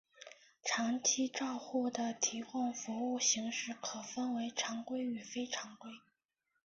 长期照护的提供服务形式可分为常规与非常规。